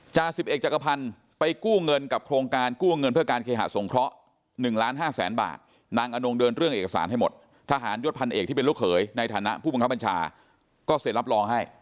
สิบเอกจักรพันธ์ไปกู้เงินกับโครงการกู้เงินเพื่อการเคหะสงเคราะห์๑ล้าน๕แสนบาทนางอนงเดินเรื่องเอกสารให้หมดทหารยศพันเอกที่เป็นลูกเขยในฐานะผู้บังคับบัญชาก็เซ็นรับรองให้